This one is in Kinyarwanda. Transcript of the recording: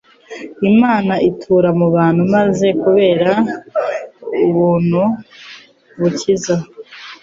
Imana itura mu bantu, maze kubera ubuntu bukiza,